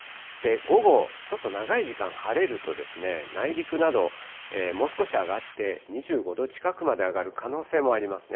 午後、ちょっと長い時間、晴れるとですね、内陸などもう少し上がって、２５度近くまで上がる可能性もありますね。